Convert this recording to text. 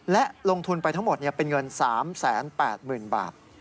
และลงทุนไปทั้งหมดเป็นเงิน๓๘๐๐๐บาท